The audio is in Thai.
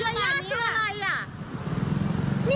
นี่เราถอยแค่นี่ถอยไม่ได้